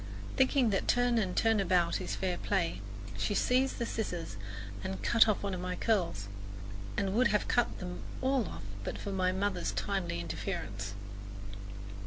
Thinking that turn and turn about is fair play, she seized the scissors and cut off one of my curls, and would have cut them all off but for my mother's timely interference.